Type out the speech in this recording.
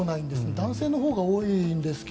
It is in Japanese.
男性のほうが多いと思うんですが。